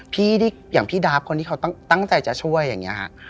อย่างพี่ดาฟคนที่เขาตั้งใจจะช่วยอย่างนี้ฮะ